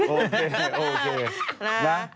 โอเค